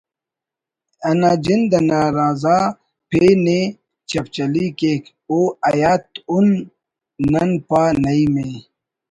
اَنا جند اَنا رضا پین ءِ چپچلی کیک او حیاتؔ اُن نن پا نعیم ءِ